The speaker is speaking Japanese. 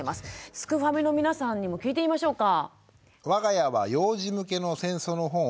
すくファミの皆さんにも聞いてみましょうか。